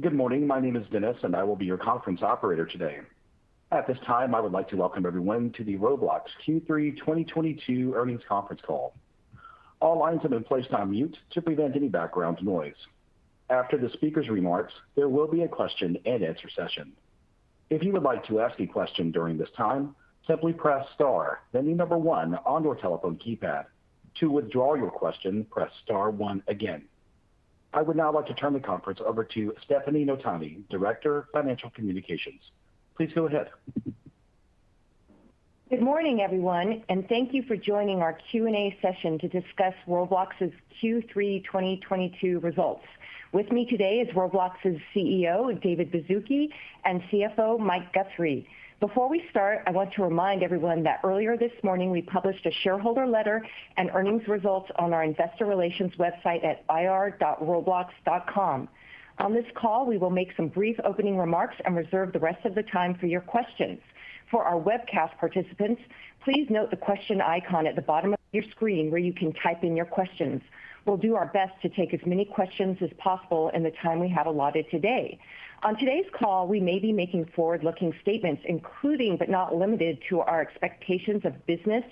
Good morning. My name is Dennis, and I will be your conference operator today. At this time, I would like to welcome everyone to the Roblox Q3 2022 earnings conference call. All lines have been placed on mute to prevent any background noise. After the speaker's remarks, there will be a question-and-answer session. If you would like to ask a question during this time, simply press star, then the number one on your telephone keypad. To withdraw your question, press star one again. I would now like to turn the conference over to Stefanie Notaney, Director of Financial Communications. Please go ahead. Good morning, everyone, and thank you for joining our Q&A session to discuss Roblox's Q3 2022 results. With me today is Roblox's CEO, David Baszucki, and CFO, Mike Guthrie. Before we start, I want to remind everyone that earlier this morning, we published a shareholder letter and earnings results on our investor relations website at ir.roblox.com. On this call, we will make some brief opening remarks and reserve the rest of the time for your questions. For our webcast participants, please note the question icon at the bottom of your screen, where you can type in your questions. We'll do our best to take as many questions as possible in the time we have allotted today. On today's call, we may be making forward-looking statements, including, but not limited to, our expectations of business,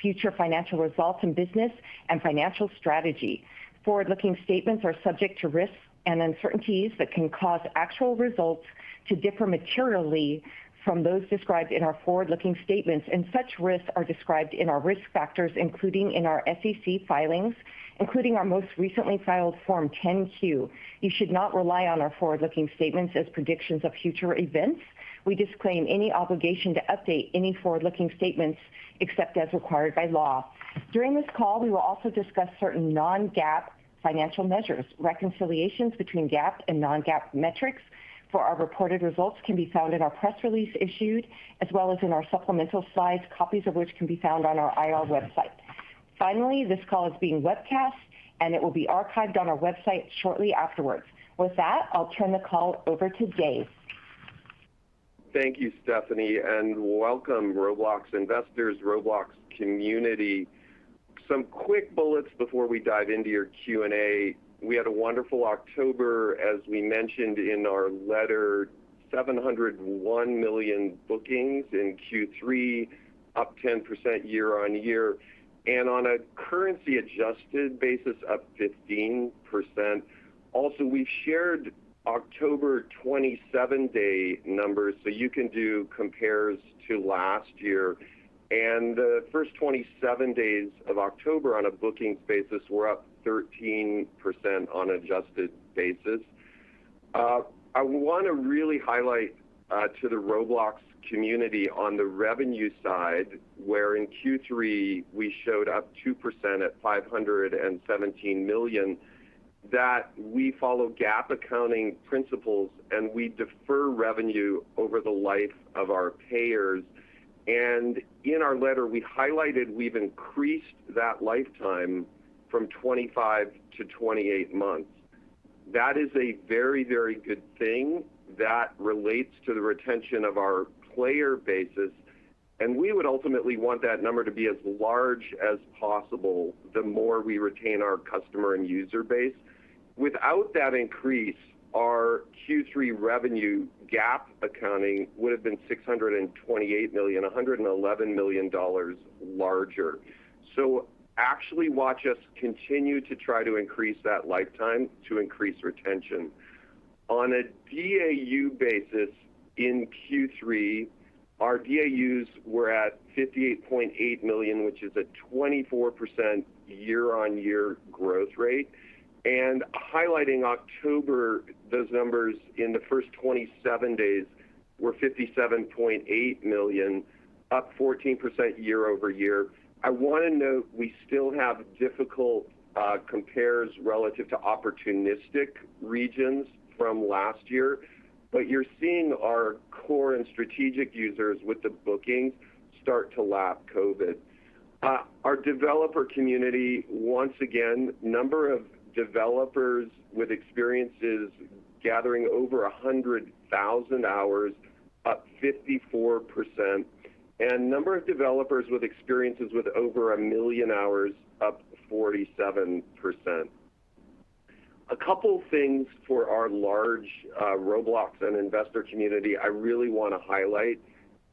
future financial results and business, and financial strategy. Forward-looking statements are subject to risks and uncertainties that can cause actual results to differ materially from those described in our forward-looking statements, and such risks are described in our risk factors, including in our SEC filings, including our most recently filed Form 10-Q. You should not rely on our forward-looking statements as predictions of future events. We disclaim any obligation to update any forward-looking statements except as required by law. During this call, we will also discuss certain non-GAAP financial measures. Reconciliations between GAAP and non-GAAP metrics for our reported results can be found in our press release issued, as well as in our supplemental slides, copies of which can be found on our IR website. Finally, this call is being webcast, and it will be archived on our website shortly afterwards. With that, I'll turn the call over to Dave. Thank you, Stefanie, and welcome, Roblox investors, Roblox community. Some quick bullets before we dive into your Q&A. We had a wonderful October, as we mentioned in our letter, $701 million bookings in Q3, up 10% year-over-year, and on a currency-adjusted basis, up 15%. Also, we've shared October 27-day numbers, so you can do compares to last year. The first 27 days of October on a bookings basis were up 13% on adjusted basis. I wanna really highlight to the Roblox community on the revenue side, where in Q3, we showed up 2% at $517 million, that we follow GAAP accounting principles, and we defer revenue over the life of our payers. In our letter, we highlighted we've increased that lifetime from 25 to 28 months. That is a very, very good thing that relates to the retention of our player bases, and we would ultimately want that number to be as large as possible, the more we retain our customer and user base. Without that increase, our Q3 revenue GAAP accounting would have been $628 million, $111 million larger. Actually watch us continue to try to increase that lifetime to increase retention. On a DAU basis in Q3, our DAUs were at 58.8 million, which is a 24% year-over-year growth rate. Highlighting October, those numbers in the first 27 days were 57.8 million DAUs, up 14% year-over-year. I wanna note we still have difficult compares relative to opportunistic regions from last year, but you're seeing our core and strategic users with the bookings start to lap COVID. Our developer community, once again, number of developers with experiences gathering over 100,000 hours, up 54%, and number of developers with experiences with over 1,000,000 hours, up 47%. A couple things for our large Roblox and investor community I really wanna highlight.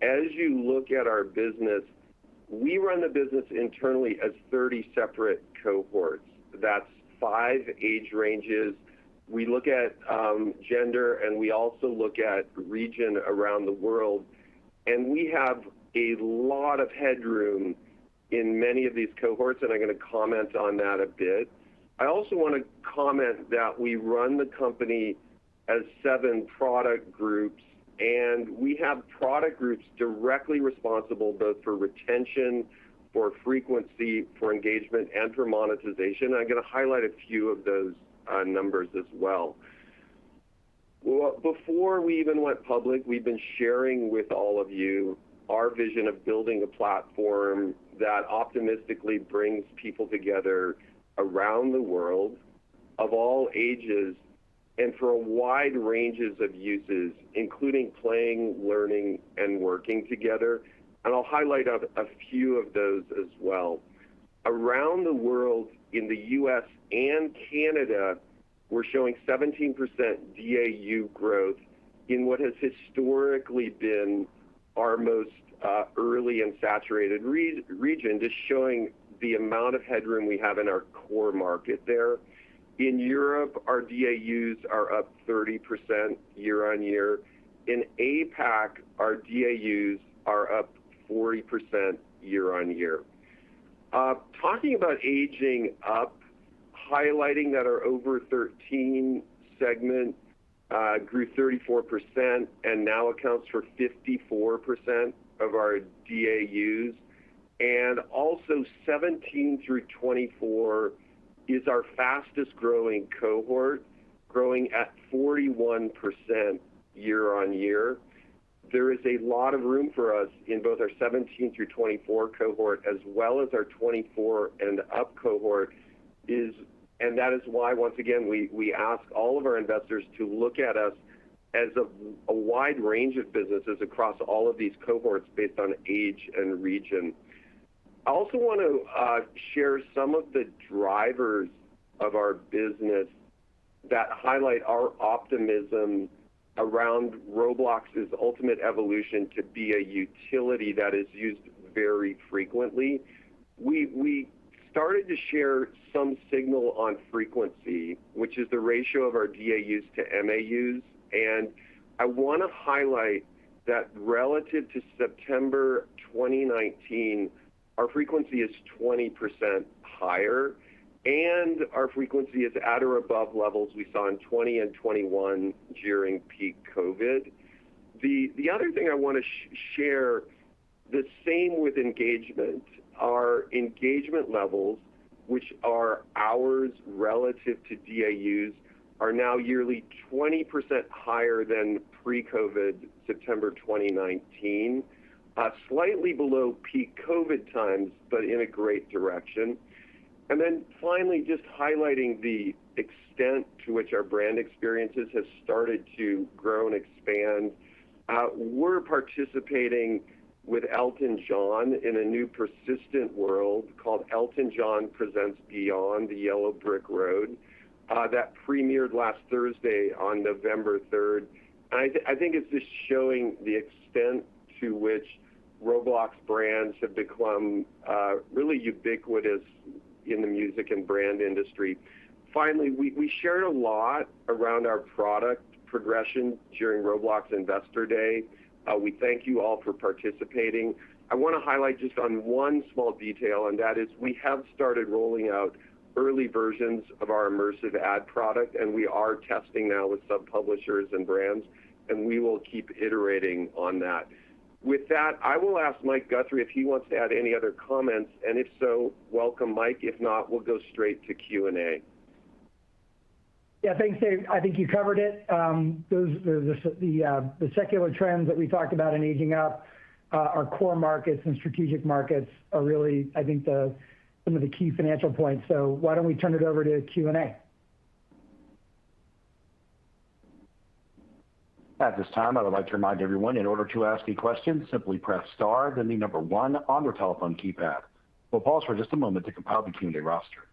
As you look at our business, we run the business internally as 30 separate cohorts. That's five age ranges. We look at gender, and we also look at region around the world. We have a lot of headroom in many of these cohorts, and I'm gonna comment on that a bit. I also wanna comment that we run the company as seven product groups, and we have product groups directly responsible both for retention, for frequency, for engagement, and for monetization. I'm gonna highlight a few of those numbers as well. Well, before we even went public, we've been sharing with all of you our vision of building a platform that optimistically brings people together around the world of all ages and for a wide range of uses, including playing, learning, and working together. I'll highlight a few of those as well. Around the world, in the U.S. and Canada, we're showing 17% DAU growth in what has historically been our most early and saturated region, just showing the amount of headroom we have in our core market there. In Europe, our DAUs are up 30% year-on-year. In APAC, our DAUs are up 40% year-on-year. Talking about aging up, highlighting that our over-13 segment grew 34% and now accounts for 54% of our DAUs. Also, 17 through 24 is our fastest-growing cohort, growing at 41% year-on-year. There is a lot of room for us in both our 17 through 24 cohort as well as our 24 and up cohort. That is why, once again, we ask all of our investors to look at us as a wide range of businesses across all of these cohorts based on age and region. I also want to share some of the drivers of our business that highlight our optimism around Roblox's ultimate evolution to be a utility that is used very frequently. We started to share some signal on frequency, which is the ratio of our DAUs to MAUs, and I wanna highlight that relative to September 2019, our frequency is 20% higher, and our frequency is at or above levels we saw in 2020 and 2021 during peak COVID. The other thing I want to share, the same with engagement. Our engagement levels, which are hours relative to DAUs, are now 20% higher than pre-COVID September 2019. Slightly below peak COVID times, but in a great direction. Then finally, just highlighting the extent to which our brand experiences have started to grow and expand. We're participating with Elton John in a new persistent world called Elton John Presents: Beyond the Yellow Brick Road. That premiered last Thursday on November 3rd. I think it's just showing the extent to which Roblox brands have become really ubiquitous in the music and brand industry. Finally, we shared a lot around our product progression during Roblox Investor Day. We thank you all for participating. I wanna highlight just on one small detail, and that is we have started rolling out early versions of our immersive ad product, and we are testing now with some publishers and brands, and we will keep iterating on that. With that, I will ask Mike Guthrie if he wants to add any other comments, and if so, welcome, Mike. If not, we'll go straight to Q&A. Yeah. Thanks, Dave. I think you covered it. Those are the secular trends that we talked about in aging up our core markets and strategic markets are really, I think, some of the key financial points. Why don't we turn it over to Q&A? At this time, I would like to remind everyone, in order to ask any questions, simply press star, then the number one on your telephone keypad. We'll pause for just a moment to compile the Q&A roster.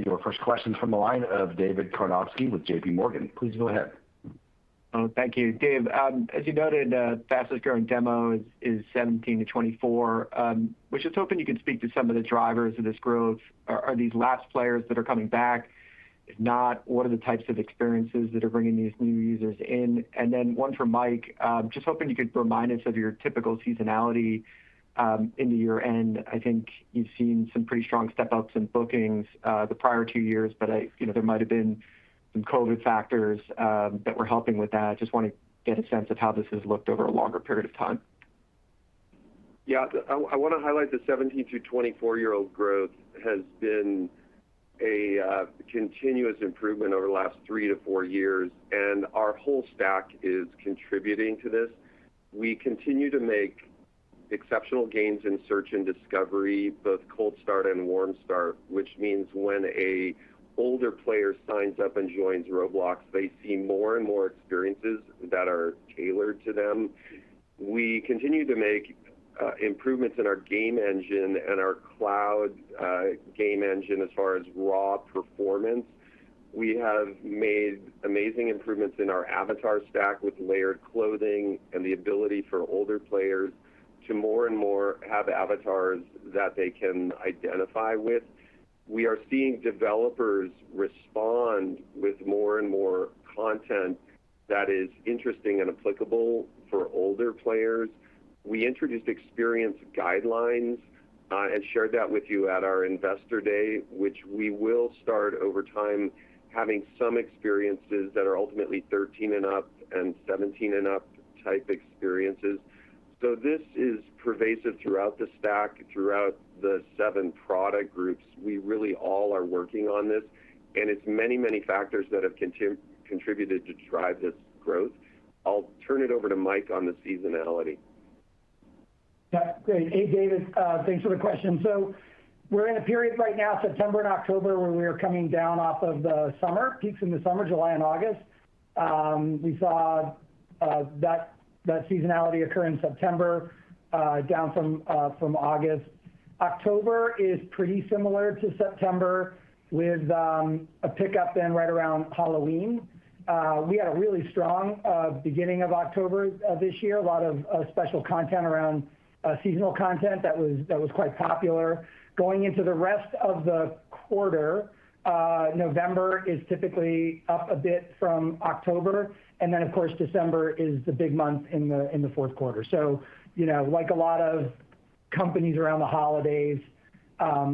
Your first question from the line of David Karnovsky with JPMorgan. Please go ahead. Thank you. Dave, as you noted, fastest-growing demo is 17-to-24 age cohort, was just hoping you could speak to some of the drivers of this growth. Are these lapsed players that are coming back? If not, what are the types of experiences that are bringing these new users in? One for Mike, just hoping you could remind us of your typical seasonality into year-end. I think you've seen some pretty strong step-ups in bookings the prior two years, but you know, there might have been some COVID factors that were helping with that. Just wanna get a sense of how this has looked over a longer period of time. Yeah. I wanna highlight the 17- to 24-year-old growth has been a continuous improvement over the last three to four years, and our whole stack is contributing to this. We continue to make exceptional gains in search and discovery, both cold start and warm start, which means when an older player signs up and joins Roblox, they see more and more experiences that are tailored to them. We continue to make improvements in our game engine and our cloud game engine as far as raw performance. We have made amazing improvements in our avatar stack with layered clothing and the ability for older players to more and more have avatars that they can identify with. We are seeing developers respond with more and more content that is interesting and applicable for older players. We introduced experience guidelines and shared that with you at our Investor Day, which we will start over time having some experiences that are ultimately 13-and-up and 17-and-up type experiences. This is pervasive throughout the stack, throughout the seven product groups. We really all are working on this, and it's many, many factors that have contributed to drive this growth. I'll turn it over to Mike on the seasonality. Yeah. Great. Hey, David, thanks for the question. We're in a period right now, September and October, where we are coming down off of the summer peaks in the summer, July and August. We saw that seasonality occur in September, down from August. October is pretty similar to September with a pickup then right around Halloween. We had a really strong beginning of October this year. A lot of special content around seasonal content that was quite popular. Going into the rest of the quarter, November is typically up a bit from October, and then of course, December is the big month in the fourth quarter. You know, like a lot of companies around the holidays,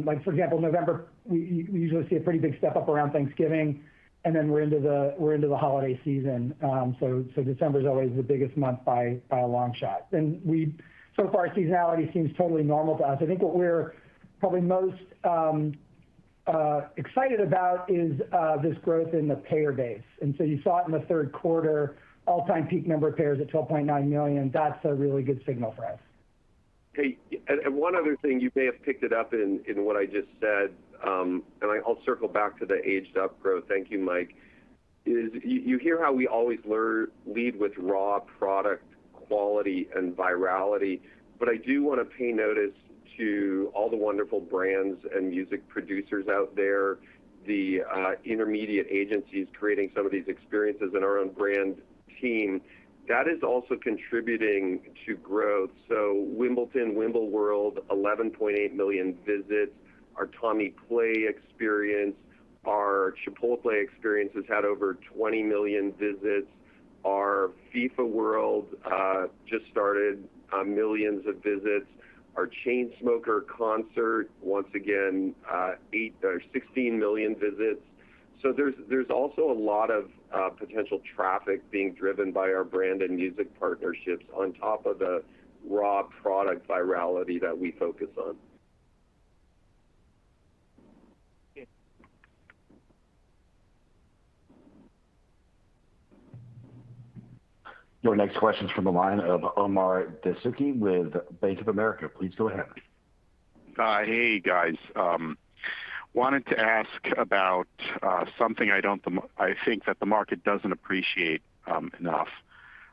like for example, November, we usually see a pretty big step up around Thanksgiving, and then we're into the holiday season. December's always the biggest month by a long shot. So far, seasonality seems totally normal to us. I think what we're probably most excited about is this growth in the payer base. You saw it in the third quarter, all-time peak number of payers at 12.9 million. That's a really good signal for us. Hey, one other thing, you may have picked it up in what I just said, and I'll circle back to the aged-up growth. Thank you, Mike. As you hear how we always lead with raw product quality and virality, but I do wanna pay notice to all the wonderful brands and music producers out there, the intermediate agencies creating some of these experiences and our own brand team. That is also contributing to growth. Wimbledon, WimbleWorld, 11.8 million visits. Our Tommy Play experience, our Chipotle experience has had over 20 million visits. Our FIFA World just started, millions of visits. Our Chainsmokers Concert experience, once again, 8 or 16 million visits. There's also a lot of potential traffic being driven by our brand and music partnerships on top of the raw product virality that we focus on. Yeah. Your next question is from the line of Omar Dessouky with Bank of America. Please go ahead. Hey, guys. Wanted to ask about something I think that the market doesn't appreciate enough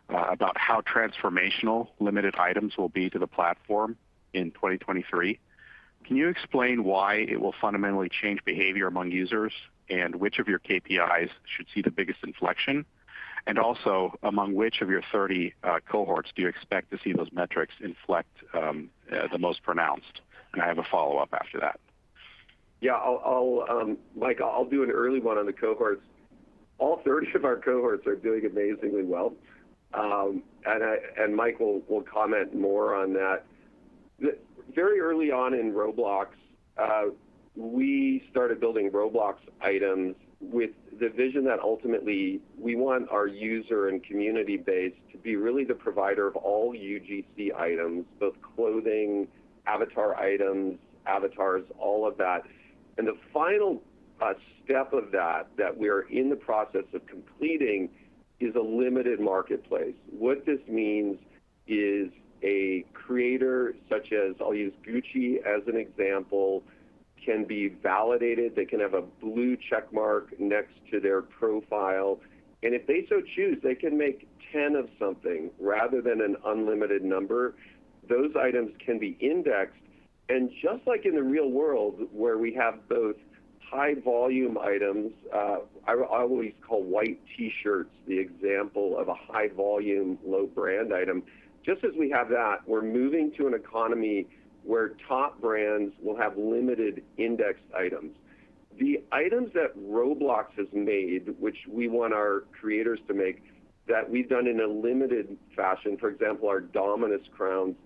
about how transformational limited items will be to the platform in 2023. Can you explain why it will fundamentally change behavior among users, and which of your KPIs should see the biggest inflection? Among which of your 30 cohorts do you expect to see those metrics inflect the most pronounced? I have a follow-up after that. Yeah. Mike, I'll do an early one on the cohorts. All 30 of our cohorts are doing amazingly well. Mike will comment more on that. Very early on in Roblox, we started building Roblox items with the vision that ultimately we want our user and community base to be really the provider of all UGC items, both clothing, avatar items, avatars, all of that. The final step of that we are in the process of completing is a limited marketplace. What this means is a creator such as, I'll use Gucci as an example, can be validated. They can have a blue check mark next to their profile, and if they so choose, they can make 10 of something rather than an unlimited number. Those items can be indexed, and just like in the real world where we have both high volume items, I always call white T-shirts the example of a high volume, low brand item. Just as we have that, we're moving to an economy where top brands will have limited indexed items. The items that Roblox has made, which we want our creators to make, that we've done in a limited fashion, for example, our Dominus crowns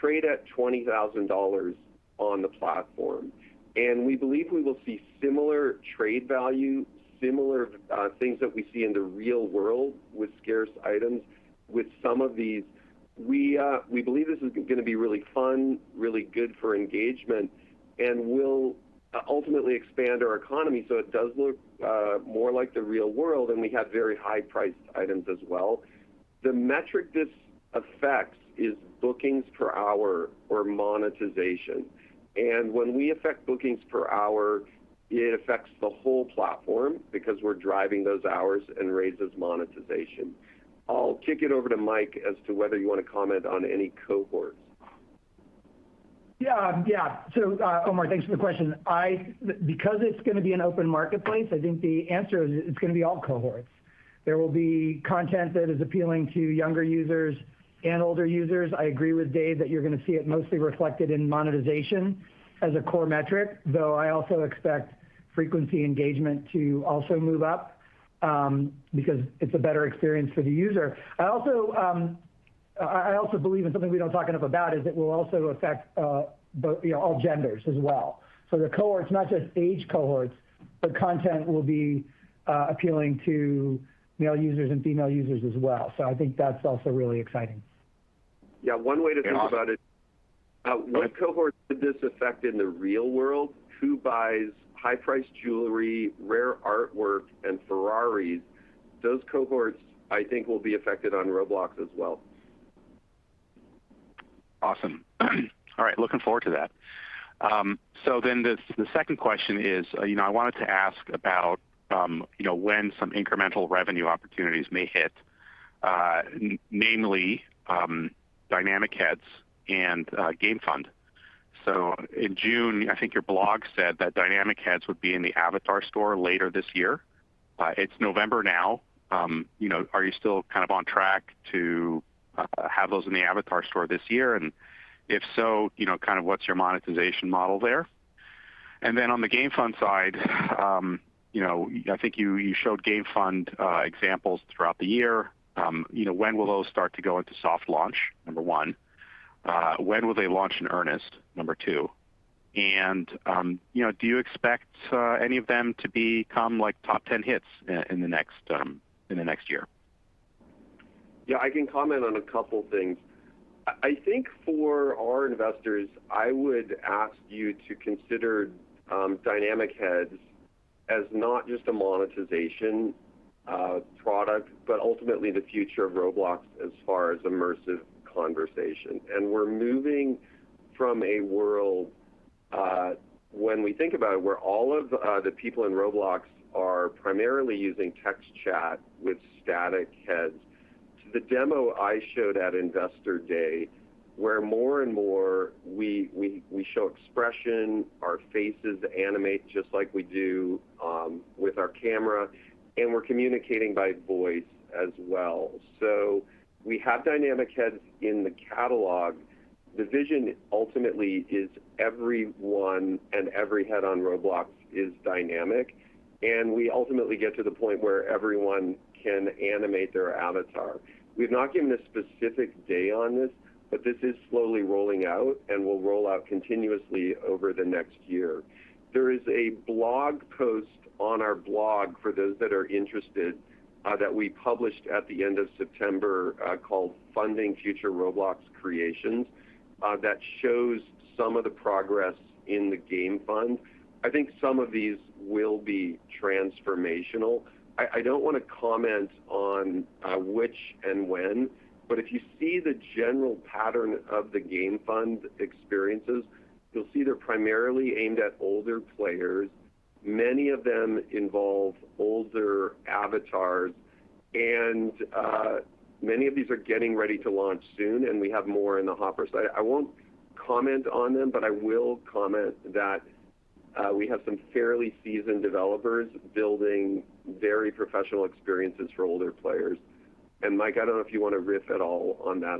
trade at $20,000 on the platform. We believe we will see similar trade value, similar things that we see in the real world with scarce items with some of these. We believe this is gonna be really fun, really good for engagement, and will ultimately expand our economy, so it does look more like the real world, and we have very high-priced items as well. The metric this affects is bookings per hour or monetization. When we affect bookings per hour, it affects the whole platform because we're driving those hours and raises monetization. I'll kick it over to Mike as to whether you wanna comment on any cohorts. Yeah. Yeah. Omar, thanks for the question. Because it's gonna be an open marketplace, I think the answer is, it's gonna be all cohorts. There will be content that is appealing to younger users and older users. I agree with Dave that you're gonna see it mostly reflected in monetization as a core metric, though I also expect frequency engagement to also move up, because it's a better experience for the user. I also believe, and something we don't talk enough about, is it will also affect both, you know, all genders as well. The cohorts, not just age cohorts, but content will be appealing to male users and female users as well. I think that's also really exciting. Yeah. One way to think about it, what cohort did this affect in the real world? Who buys high-priced jewelry, rare artwork, and Ferrari? Those cohorts, I think, will be affected on Roblox as well. Awesome. All right, looking forward to that. The second question is, you know, I wanted to ask about, you know, when some incremental revenue opportunities may hit, namely, Dynamic Heads and Game Fund. In June, I think your blog said that Dynamic Heads would be in the avatar store later this year. It's November now. You know, are you still kind of on track to have those in the avatar store this year? And if so, you know, kind of what's your monetization model there? Then on the Game Fund side, you know, I think you showed Game Fund examples throughout the year. You know, when will those start to go into soft launch? Number one. When will they launch in earnest? Number two. You know, do you expect any of them to become like top ten hits in the next year? Yeah, I can comment on a couple things. I think for our investors, I would ask you to consider Dynamic Heads as not just a monetization product, but ultimately the future of Roblox as far as immersive conversation. We're moving from a world, when we think about it, where all of the people in Roblox are primarily using text chat with static heads to the demo I showed at Investor Day, where more and more we show expression, our faces animate just like we do with our camera, and we're communicating by voice as well. We have Dynamic Heads in the catalog. The vision ultimately is everyone and every head on Roblox is dynamic, and we ultimately get to the point where everyone can animate their avatar. We've not given a specific day on this, but this is slowly rolling out and will roll out continuously over the next year. There is a blog post on our blog for those that are interested that we published at the end of September called Funding the Future of Roblox Creations that shows some of the progress in the Game Fund. I think some of these will be transformational. I don't wanna comment on which and when, but if you see the general pattern of the Game Fund experiences, you'll see they're primarily aimed at older players. Many of them involve older avatars, and many of these are getting ready to launch soon, and we have more in the hopper. I won't comment on them, but I will comment that we have some fairly seasoned developers building very professional experiences for older players. Mike, I don't know if you want to riff at all on that?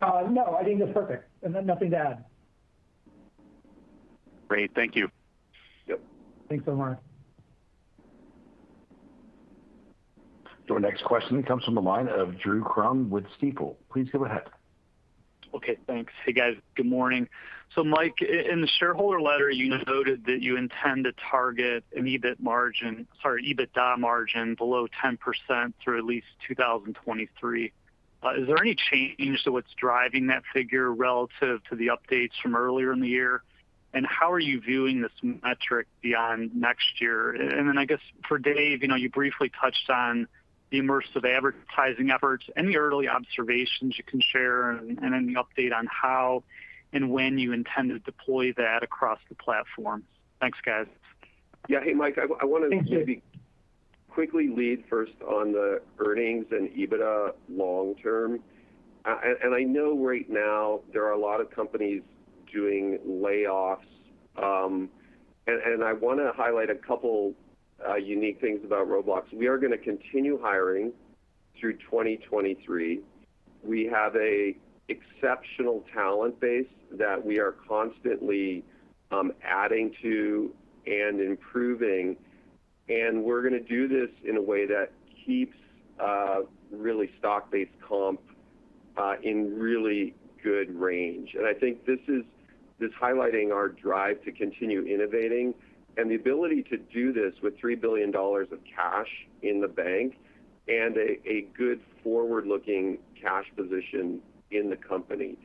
No, I think that's perfect. Nothing to add. Great. Thank you. Yep. Thanks so much. Your next question comes from the line of Drew Crum with Stifel. Please go ahead. Okay, thanks. Hey, guys. Good morning. Mike, in the shareholder letter, you noted that you intend to target an EBITDA margin below 10% through at least 2023. Is there any change to what's driving that figure relative to the updates from earlier in the year? How are you viewing this metric beyond next year? Then I guess for Dave, you know, you briefly touched on the immersive advertising efforts. Any early observations you can share, and any update on how and when you intend to deploy that across the platform? Thanks, guys. Yeah. Hey, Mike, I wanted to—maybe quickly lead first on the earnings and EBITDA long term. And I know right now there are a lot of companies doing layoffs, and I want to highlight a couple unique things about Roblox. We are going to continue hiring through 2023. We have an exceptional talent base that we are constantly adding to and improving, and we are going to do this in a way that keeps really stock-based compensation in really good range. I think this highlighting our drive to continue innovating and the ability to do this with $3 billion of cash in the bank and a good forward-looking cash position in the company.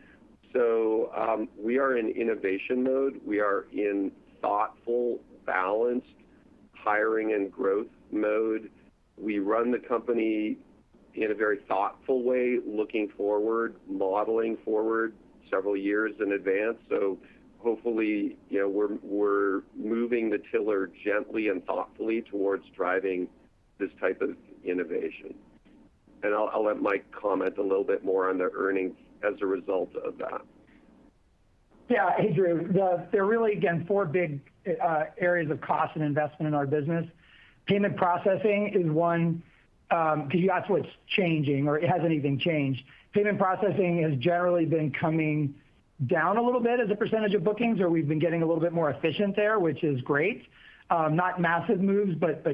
We are in innovation mode. We are in thoughtful, balanced hiring and growth mode. We run the company in a very thoughtful way, looking forward, modeling forward several years in advance. Hopefully, you know, we're moving the tiller gently and thoughtfully towards driving this type of innovation. I'll let Mike comment a little bit more on the earnings as a result of that. Hey, Drew. There are really, again, four big areas of cost and investment in our business. Payment processing is one, 'cause you asked what's changing or it hasn't even changed. Payment processing has generally been coming down a little bit as a percentage of bookings, or we've been getting a little bit more efficient there, which is great. Not massive moves, but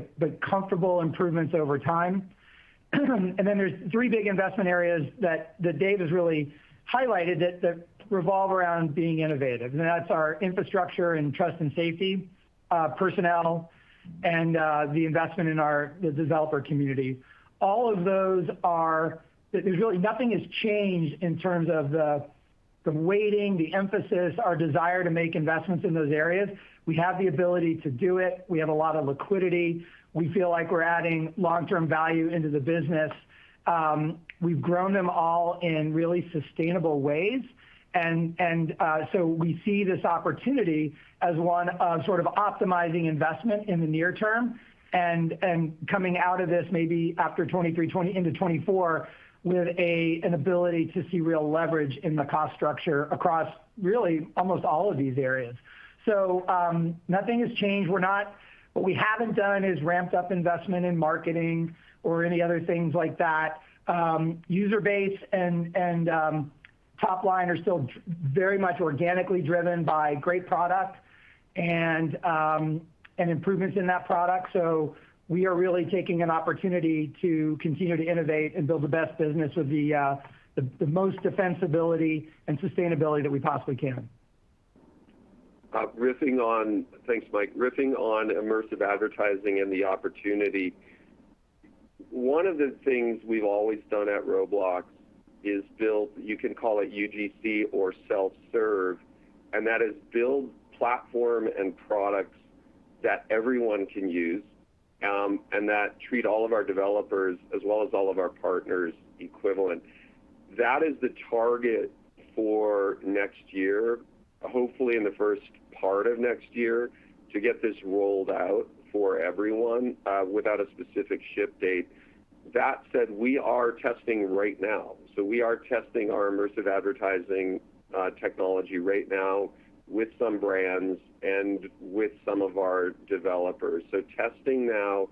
comfortable improvements over time. There's three big investment areas that Dave has really highlighted that revolve around being innovative, and that's our infrastructure and trust and safety personnel, and the investment in our developer community. All of those are. There's really nothing has changed in terms of the weighting, the emphasis, our desire to make investments in those areas, we have the ability to do it. We have a lot of liquidity. We feel like we're adding long-term value into the business. We've grown them all in really sustainable ways. We see this opportunity as one of sort of optimizing investment in the near term and coming out of this maybe after 2023 into 2024 with an ability to see real leverage in the cost structure across really almost all of these areas. Nothing has changed. We're not—what we haven't done is ramped up investment in marketing or any other things like that. User base and top line are still very much organically driven by great product and improvements in that product. We are really taking an opportunity to continue to innovate and build the best business with the most defensibility and sustainability that we possibly can. Thanks, Mike. Riffing on immersive advertising and the opportunity, one of the things we've always done at Roblox is build, you can call it UGC or self-serve, and that is build platform and products that everyone can use, and that treat all of our developers as well as all of our partners equivalent. That is the target for next year, hopefully in the first part of next year, to get this rolled out for everyone, without a specific ship date. That said, we are testing right now. We are testing our immersive advertising technology right now with some brands and with some of our developers. Testing now,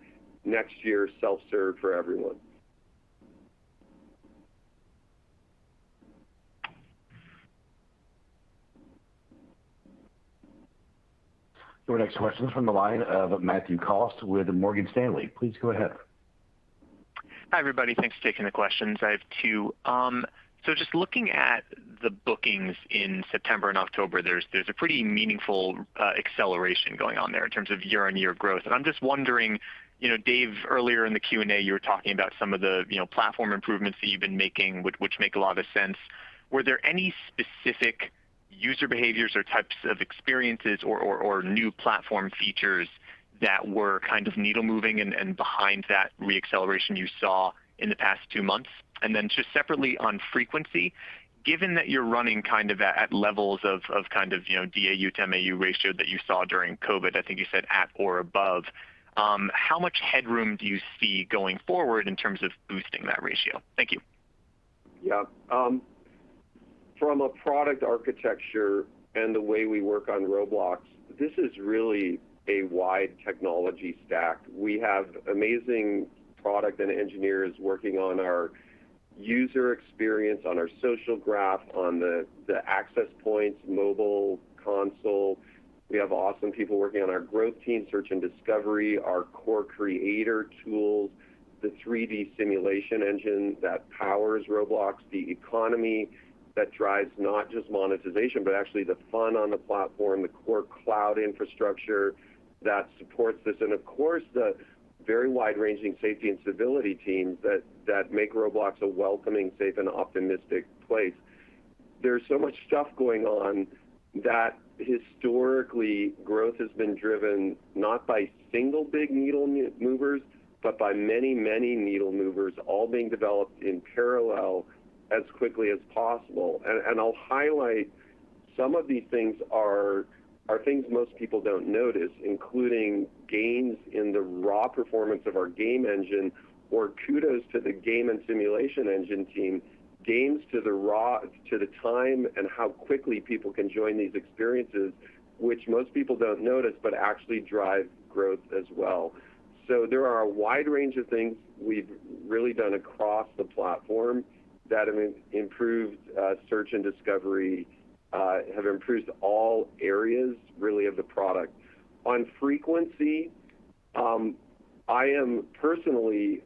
next year, self-serve for everyone. Your next question is from the line of Matthew Cost with Morgan Stanley. Please go ahead. Hi, everybody. Thanks for taking the questions. I have two. So just looking at the bookings in September and October, there's a pretty meaningful acceleration going on there in terms of year-on-year growth. I'm just wondering, you know, Dave, earlier in the Q&A, you were talking about some of the, you know, platform improvements that you've been making, which make a lot of sense. Were there any specific user behaviors or types of experiences or new platform features that were kind of needle moving and behind that re-acceleration you saw in the past two months? Just separately on frequency, given that you're running kind of at levels of kind of, you know, DAU to MAU ratio that you saw during COVID, I think you said at or above, how much headroom do you see going forward in terms of boosting that ratio? Thank you. Yeah. From a product architecture and the way we work on Roblox, this is really a wide technology stack. We have amazing product and engineers working on our user experience, on our social graph, on the access points, mobile console. We have awesome people working on our growth team, search and discovery, our core creator tools, the 3D simulation engine that powers Roblox, the economy that drives not just monetization, but actually the fun on the platform, the core cloud infrastructure that supports this, and of course, the very wide-ranging safety and civility teams that make Roblox a welcoming, safe, and optimistic place. There's so much stuff going on that historically, growth has been driven not by single big needle movers, but by many needle movers, all being developed in parallel as quickly as possible. I'll highlight some of these things are things most people don't notice, including gains in the raw performance of our game engine, our kudos to the game and simulation engine team, gains to the time and how quickly people can join these experiences, which most people don't notice, but actually drive growth as well. There are a wide range of things we've really done across the platform that have improved search and discovery, have improved all areas really of the product. On frequency, I am personally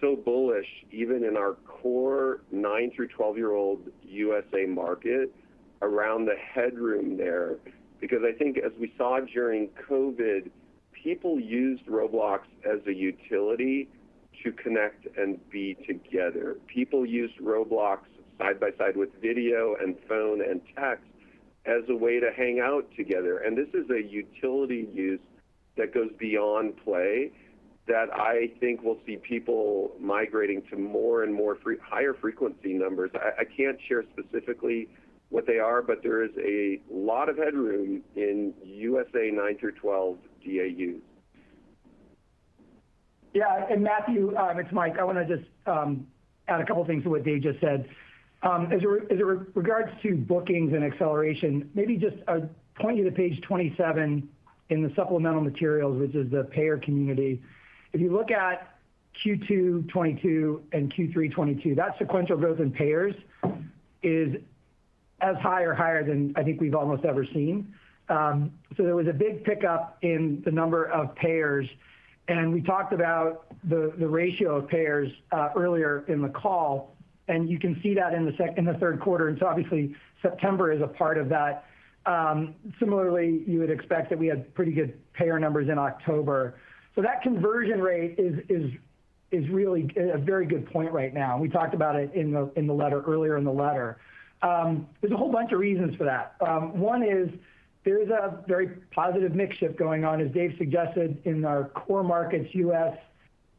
so bullish, even in our core 9 through 12-year-old U.S. market around the headroom there, because I think as we saw during COVID, people used Roblox as a utility to connect and be together. People used Roblox side by side with video and phone and text as a way to hang out together. This is a utility use that goes beyond play that I think we'll see people migrating to more and more higher frequency numbers. I can't share specifically what they are, but there is a lot of headroom in U.S. 9-to-12-year-old DAUs. Matthew, it's Mike. I wanna just add a couple of things to what Dave just said. As it regards to bookings and acceleration, maybe just point you to page 27 in the supplemental materials, which is the payer community. If you look at Q2 2022 and Q3 2022, that sequential growth in payers is as high or higher than I think we've almost ever seen. So there was a big pickup in the number of payers, and we talked about the ratio of payers earlier in the call, and you can see that in the third quarter. Obviously, September is a part of that. Similarly, you would expect that we had pretty good payer numbers in October. That conversion rate is really a very good point right now, and we talked about it in the letter, earlier in the letter. There's a whole bunch of reasons for that. One is there's a very positive mix shift going on, as Dave suggested, in our core markets, U.S.,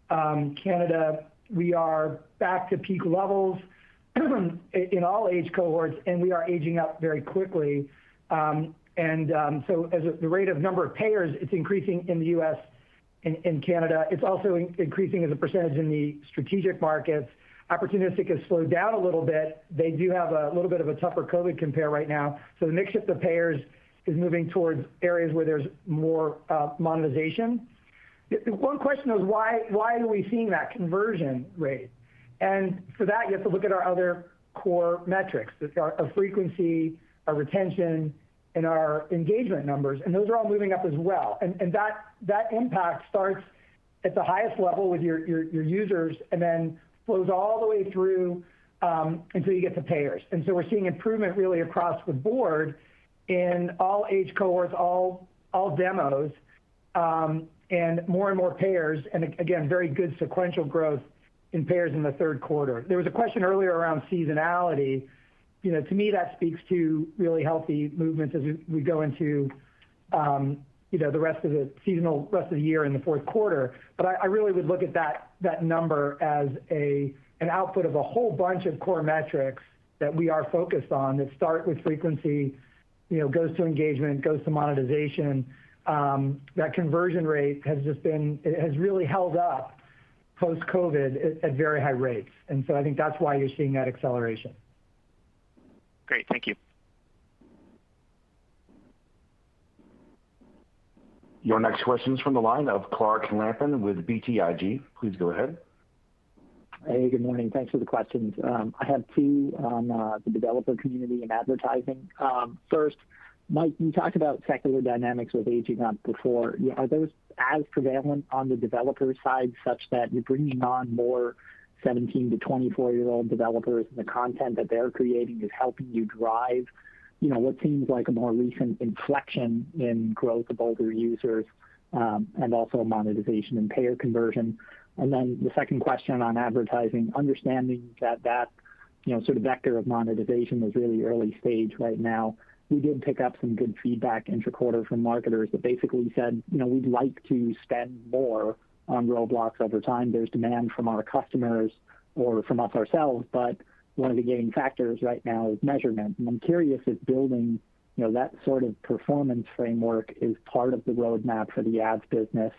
Canada. We are back to peak levels in all age cohorts, and we are aging up very quickly. As the rate of number of payers, it's increasing in the U.S., in Canada. It's also increasing as a percentage in the strategic markets. Opportunistic has slowed down a little bit. They do have a little bit of a tougher COVID compare right now. The mix shift of payers is moving toward areas where there's more monetization. The one question is why are we seeing that conversion rate? For that, you have to look at our other core metrics, our frequency, our retention, and our engagement numbers, and those are all moving up as well. That impact starts at the highest level with your users and then flows all the way through until you get to payers. We're seeing improvement really across the board in all age cohorts, all demos, and more and more payers and again, very good sequential growth in payers in the third quarter. There was a question earlier around seasonality. You know, to me, that speaks to really healthy movements as we go into, you know, the rest of the season rest of the year in the fourth quarter. I really would look at that number as an output of a whole bunch of core metrics that we are focused on that start with frequency, you know, goes to engagement, goes to monetization. That conversion rate has just been. It has really held up post-COVID at very high rates. I think that's why you're seeing that acceleration. Great. Thank you. Your next question is from the line of Clark Lampen with BTIG. Please go ahead. Hey, good morning. Thanks for the questions. I have two on the developer community and advertising. First, Mike, you talked about secular dynamics with aging up before. Are those as prevalent on the developer side such that you're bringing on more 17- to 24-year-old developers, and the content that they're creating is helping you drive, you know, what seems like a more recent inflection in growth of older users, and also monetization and payer conversion? The second question on advertising, understanding that that, you know, sort of vector of monetization is really early stage right now, we did pick up some good feedback interquarter from marketers that basically said, you know, "We'd like to spend more on Roblox over time. There's demand from our customers or from us ourselves, but one of the gating factors right now is measurement." I'm curious if building, you know, that sort of performance framework is part of the roadmap for the ads business.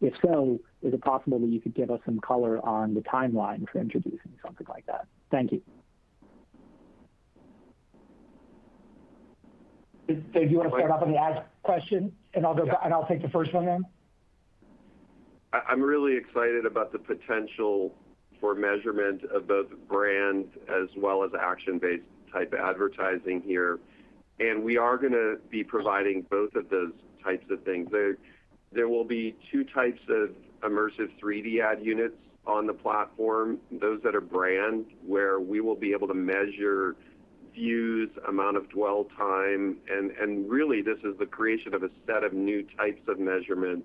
If so, is it possible that you could give us some color on the timeline for introducing something like that? Thank you. Dave, do you want to start off on the ads question, and I'll go back, and I'll take the first one then? I'm really excited about the potential for measurement of both brand as well as action-based type advertising here. We are gonna be providing both of those types of things. There will be two types of immersive3D ad units on the platform, those that are brand, where we will be able to measure views, amount of dwell time, and really this is the creation of a set of new types of measurement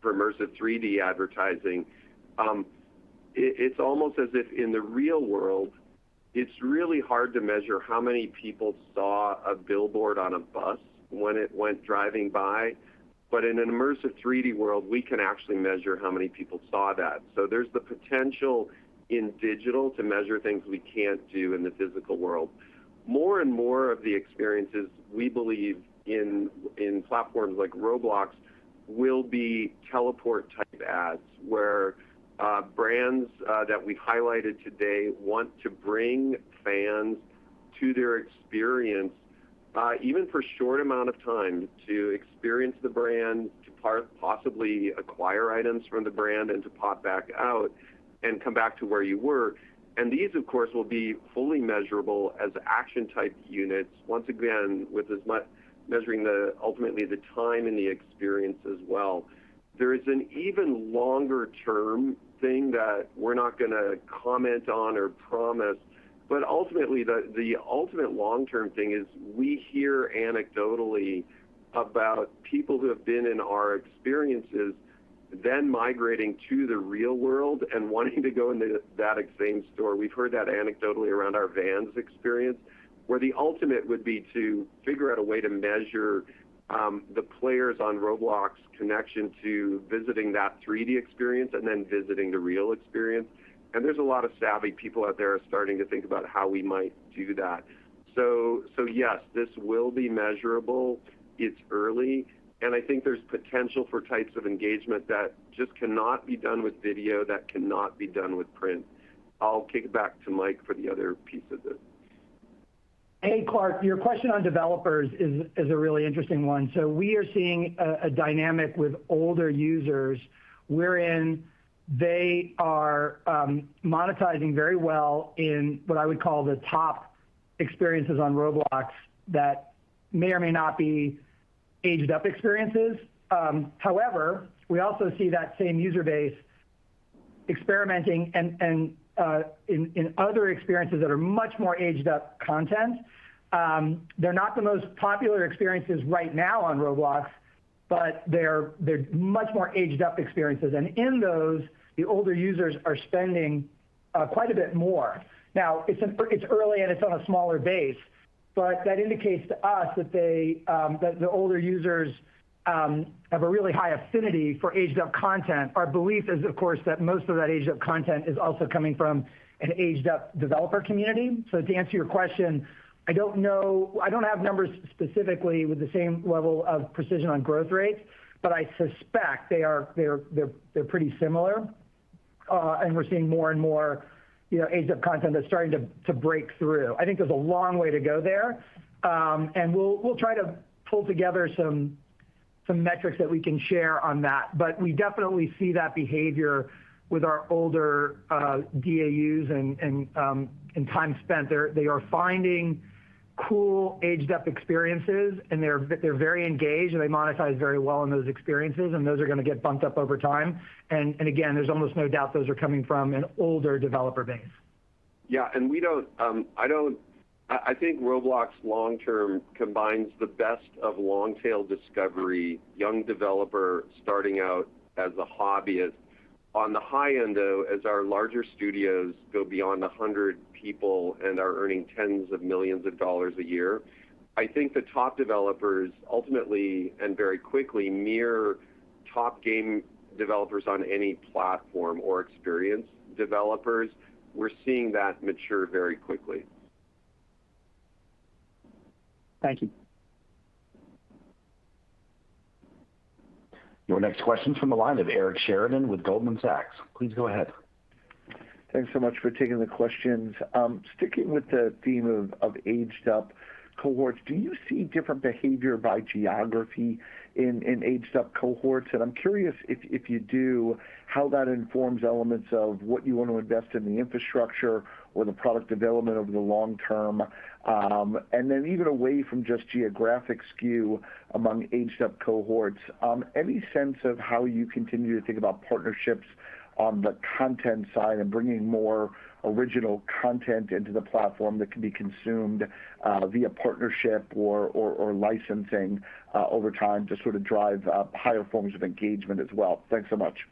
for immersive three-sixty advertising. It's almost as if in the real world, it's really hard to measure how many people saw a billboard on a bus when it went driving by. In an immersive three-sixty world, we can actually measure how many people saw that. There's the potential in digital to measure things we can't do in the physical world. More and more of the experiences we believe in platforms like Roblox will be teleport-type ads, where brands that we highlighted today want to bring fans to their experience, even for short amount of time to experience the brand, to possibly acquire items from the brand and to pop back out and come back to where you were. These, of course, will be fully measurable as action-type units, once again, with measuring ultimately the time and the experience as well. There is an even longer term thing that we're not gonna comment on or promise, but ultimately, the ultimate long-term thing is we hear anecdotally about people who have been in our experiences, then migrating to the real world and wanting to go into that same store. We've heard that anecdotally around our Vans experience, where the ultimate would be to figure out a way to measure the players on Roblox connection to visiting that 3D experience and then visiting the real experience. There's a lot of savvy people out there starting to think about how we might do that. Yes, this will be measurable. It's early, and I think there's potential for types of engagement that just cannot be done with video, that cannot be done with print. I'll kick it back to Mike for the other piece of this. Hey, Clark. Your question on developers is a really interesting one. We are seeing a dynamic with older users wherein they are monetizing very well in what I would call the top experiences on Roblox that may or may not be aged-up experiences. However, we also see that same user base experimenting and in other experiences that are much more aged-up content. They're not the most popular experiences right now on Roblox, but they're much more aged-up experiences. In those, the older users are spending quite a bit more. Now, it's early and it's on a smaller base, but that indicates to us that the older users have a really high affinity for aged-up content. Our belief is, of course, that most of that aged-up content is also coming from an aged-up developer community. To answer your question, I don't know. I don't have numbers specifically with the same level of precision on growth rates, but I suspect they're pretty similar. We're seeing more and more, you know, aged-up content that's starting to break through. I think there's a long way to go there. We'll try to pull together some metrics that we can share on that. We definitely see that behavior with our older DAUs and time spent. They're finding cool aged-up experiences, and they're very engaged, and they monetize very well in those experiences, and those are gonna get bumped up over time. Again, there's almost no doubt those are coming from an older developer base. Yeah. I think Roblox long term combines the best of long tail discovery, young developer starting out as a hobbyist. On the high end, though, as our larger studios go beyond 100 people and are earning tens of millions of dollars a year, I think the top developers ultimately and very quickly near top game developers on any platform or experienced developers, we're seeing that mature very quickly. Thank you. Your next question's from the line of Eric Sheridan with Goldman Sachs. Please go ahead. Thanks so much for taking the questions. Sticking with the theme of aged-up cohorts, do you see different behavior by geography in aged-up cohorts? I'm curious if you do, how that informs elements of what you want to invest in the infrastructure or the product development over the long term. Even away from just geographic skew among aged-up cohorts, any sense of how you continue to think about partnerships on the content side and bringing more original content into the platform that can be consumed via partnership or licensing over time to sort of drive higher forms of engagement as well? Thanks so much.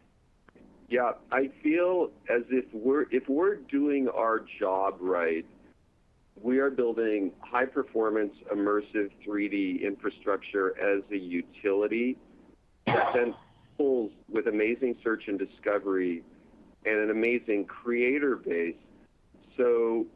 Yeah. I feel as if we're doing our job right, we are building high-performance immersive 3D infrastructure as a utility that then pulls with amazing search and discovery and an amazing creator base.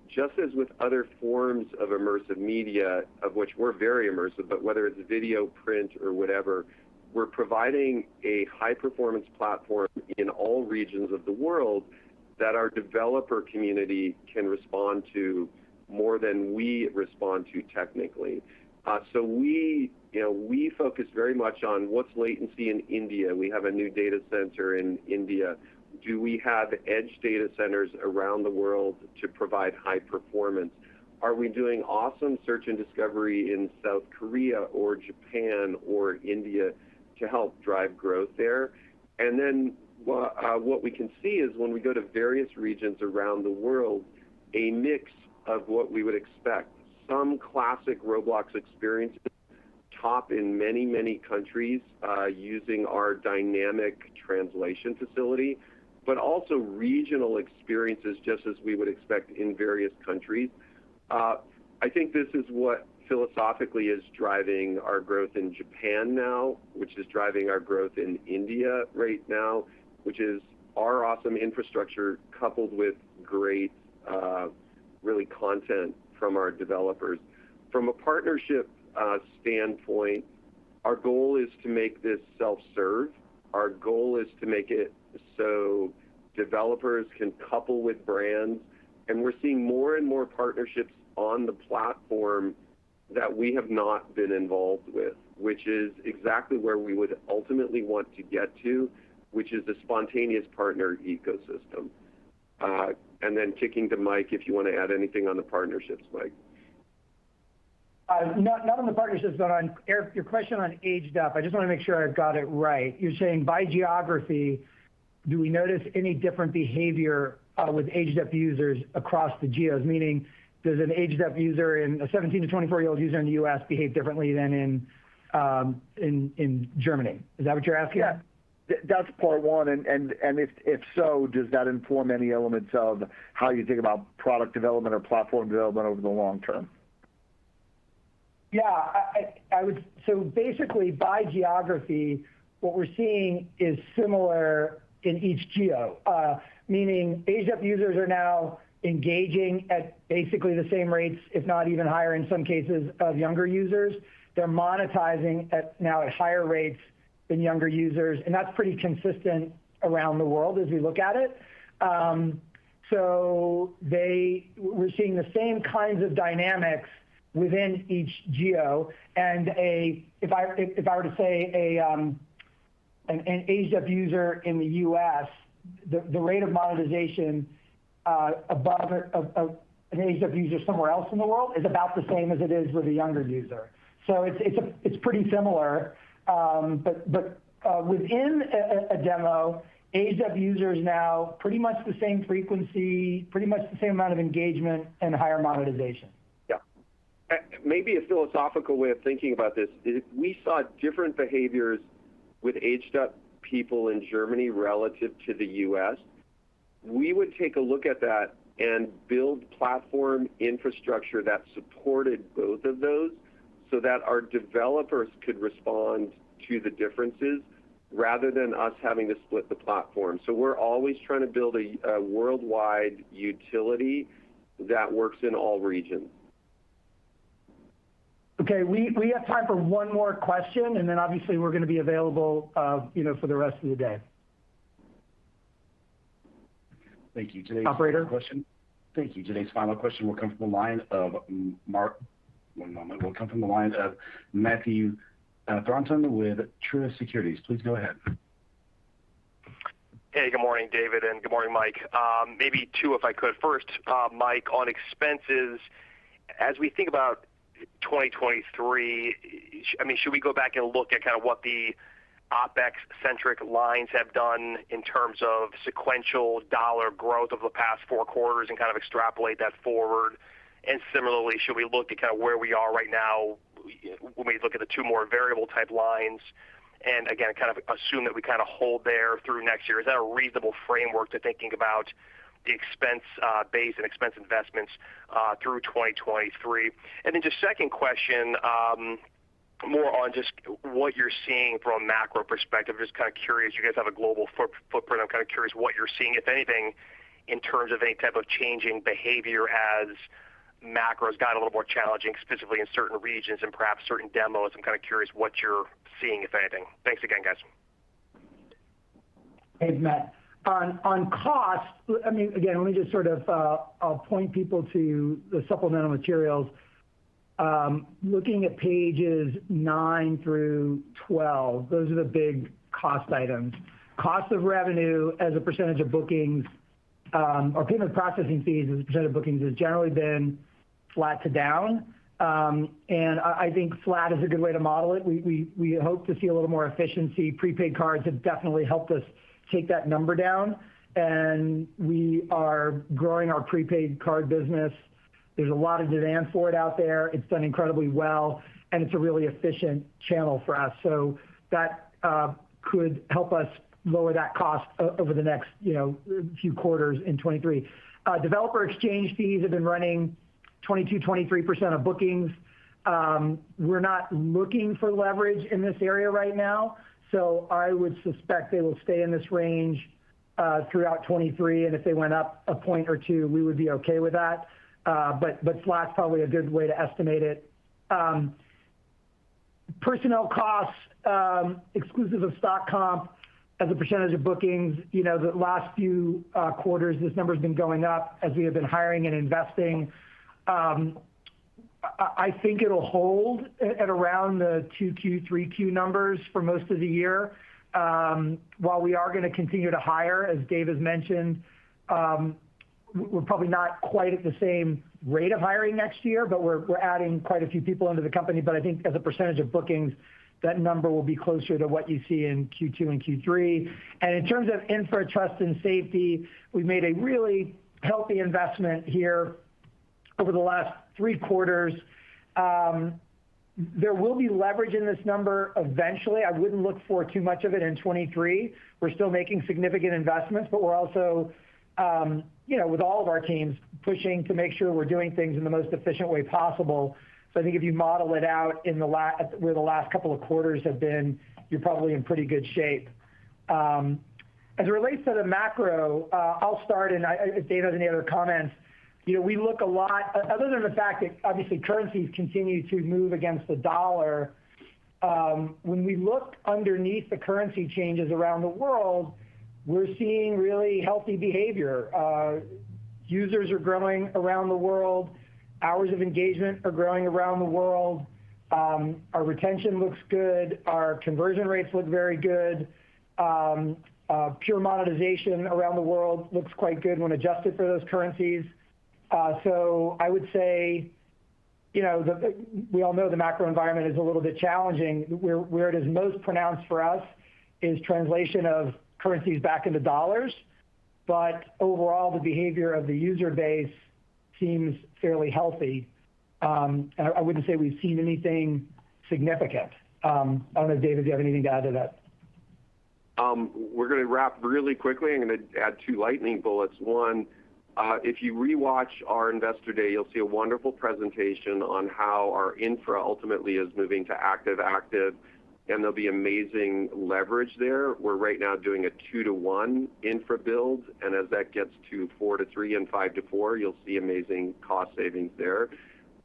Just as with other forms of immersive media, of which we're very immersive, but whether it's video, print or whatever, we're providing a high-performance platform in all regions of the world that our developer community can respond to more than we respond to technically. We, you know, we focus very much on what's latency in India. We have a new data center in India. Do we have edge data centers around the world to provide high performance? Are we doing awesome search and discovery in South Korea or Japan or India to help drive growth there? Well, what we can see is when we go to various regions around the world, a mix of what we would expect, some classic Roblox experiences top in many, many countries, using our dynamic translation facility, but also regional experiences, just as we would expect in various countries. I think this is what philosophically is driving our growth in Japan now, which is driving our growth in India right now, which is our awesome infrastructure coupled with great, really content from our developers. From a partnership standpoint, our goal is to make this self-serve. Our goal is to make it so developers can couple with brands, and we're seeing more and more partnerships on the platform that we have not been involved with, which is exactly where we would ultimately want to get to, which is the spontaneous partner ecosystem. Kicking to Mike, if you wanna add anything on the partnerships, Mike. Not on the partnerships, but on Eric, your question on aged-up. I just wanna make sure I've got it right. You're saying by geography, do we notice any different behavior with aged-up users across the geos? Meaning, does an aged-up user, a 17- to 24-year-old user, in the U.S. behave differently than in Germany? Is that what you're asking? Yeah. That's part one. If so, does that inform any elements of how you think about product development or platform development over the long term? Yeah. I would. Basically, by geography, what we're seeing is similar in each geo. Meaning aged-up users are now engaging at basically the same rates, if not even higher in some cases than younger users. They're monetizing now at higher rates than younger users, and that's pretty consistent around the world as we look at it. We're seeing the same kinds of dynamics within each geo. If I were to say an aged-up user in the U.S., the rate of monetization of an aged-up user somewhere else in the world is about the same as it is with a younger user. It's pretty similar. Within a demo, aged-up user is now pretty much the same frequency, pretty much the same amount of engagement and higher monetization. Yeah. Maybe a philosophical way of thinking about this is if we saw different behaviors with aged up people in Germany relative to the US, we would take a look at that and build platform infrastructure that supported both of those so that our developers could respond to the differences rather than us having to split the platform. We're always trying to build a worldwide utility that works in all regions. Okay. We have time for one more question, and then obviously we're gonna be available, you know, for the rest of the day. Thank you. Operator. Final question. Thank you. Today's final question will come from the line of Matthew Thornton with Truist Securities. Please go ahead. Hey, good morning, David, and good morning, Mike. Maybe two, if I could. First, Mike, on expenses, as we think about 2023, I mean, should we go back and look at kind of what the OpEx-centric lines have done in terms of sequential dollar growth over the past four quarters and kind of extrapolate that forward? Similarly, should we look at kind of where we are right now when we look at the two more variable type lines, and again, kind of assume that we kind of hold there through next year? Is that a reasonable framework to thinking about the expense base and expense investments through 2023? Then just second question, more on just what you're seeing from a macro perspective. Just kind of curious, you guys have a global footprint. I'm kind of curious what you're seeing, if anything, in terms of any type of changing behavior as macro's got a little more challenging, specifically in certain regions and perhaps certain demos. I'm kind of curious what you're seeing, if anything. Thanks again, guys. Hey, Matt. I mean, again, let me just sort of, I'll point people to the supplemental materials. Looking at pages nine through 12, those are the big cost items. Cost of revenue as a percentage of bookings, or payment processing fees as a percentage of bookings has generally been flat to down. I think flat is a good way to model it. We hope to see a little more efficiency. Prepaid cards have definitely helped us take that number down, and we are growing our prepaid card business. There's a lot of demand for it out there. It's done incredibly well, and it's a really efficient channel for us, so that could help us lower that cost over the next, you know, few quarters in 2023. Developer exchange fees have been running 22%-23% of bookings. We're not looking for leverage in this area right now, so I would suspect they will stay in this range throughout 2023, and if they went up a point or two, we would be okay with that. But flat's probably a good way to estimate it. Personnel costs, exclusive of stock comp as a percentage of bookings, you know, the last few quarters, this number's been going up as we have been hiring and investing. I think it'll hold at around the 2Q, 3Q numbers for most of the year. While we are gonna continue to hire, as Dave has mentioned, we're probably not quite at the same rate of hiring next year, but we're adding quite a few people into the company. I think as a percentage of bookings, that number will be closer to what you see in Q2 and Q3. In terms of infrastructure, trust and safety, we've made a really healthy investment here over the last three quarters. There will be leverage in this number eventually. I wouldn't look for too much of it in 2023. We're still making significant investments, but we're also, you know, with all of our teams, pushing to make sure we're doing things in the most efficient way possible. I think if you model it out where the last couple of quarters have been, you're probably in pretty good shape. As it relates to the macro, I'll start, and if Dave has any other comments, you know, other than the fact that obviously currencies continue to move against the dollar, when we look underneath the currency changes around the world, we're seeing really healthy behavior. Users are growing around the world. Hours of engagement are growing around the world. Our retention looks good. Our conversion rates look very good. Pure monetization around the world looks quite good when adjusted for those currencies. I would say, you know, we all know the macro environment is a little bit challenging. Where it is most pronounced for us is translation of currencies back into dollars. But overall, the behavior of the user base seems fairly healthy. I wouldn't say we've seen anything significant. I don't know, Dave, if you have anything to add to that. We're gonna wrap really quickly. I'm gonna add two lightning bullets. One, if you re-watch our Investor Day, you'll see a wonderful presentation on how our infra ultimately is moving to active-active, and there'll be amazing leverage there. We're right now doing a 2-to-1 infra build, and as that gets to 4-to-3 and 5-to-4, you'll see amazing cost savings there.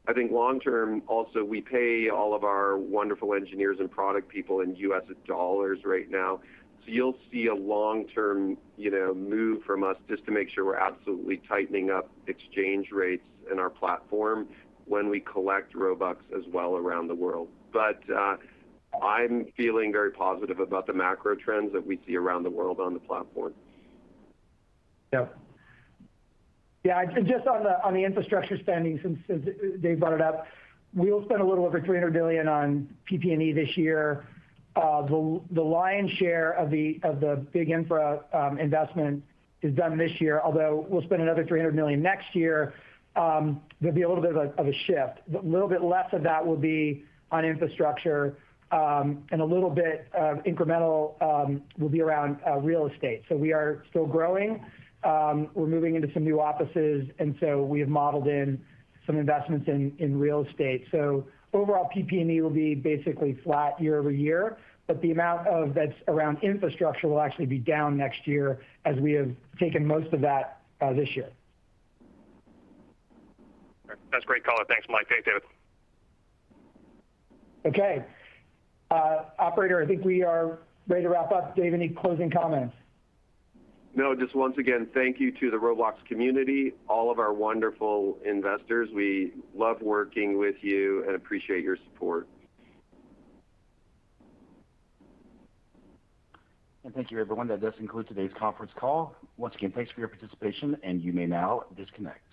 I think long term, also, we pay all of our wonderful engineers and product people in U.S. dollars right now, so you'll see a long-term, you know, move from us just to make sure we're absolutely tightening up exchange rates in our platform when we collect Robux as well around the world. I'm feeling very positive about the macro trends that we see around the world on the platform. Yeah, just on the infrastructure spending, since Dave brought it up, we will spend a little over $300 million on PP&E this year. The lion's share of the big infra investment is done this year, although we'll spend another $300 million next year. There'll be a little bit of a shift. A little bit less of that will be on infrastructure, and a little bit of incremental will be around real estate. We are still growing. We're moving into some new offices, so we have modeled in some investments in real estate. Overall, PP&E will be basically flat year-over-year, but the amount that's around infrastructure will actually be down next year as we have taken most of that this year. That's great color. Thanks, Mike. Thanks, Dave. Okay. Operator, I think we are ready to wrap up. Dave, any closing comments? No, just once again, thank you to the Roblox community, all of our wonderful investors. We love working with you and appreciate your support. Thank you, everyone. That does conclude today's conference call. Once again, thanks for your participation, and you may now disconnect.